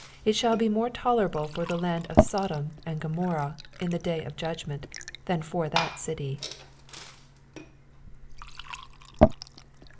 It shall be more tolerable for the land of Sodom and Gomorrha in the day of judgment, than for that city.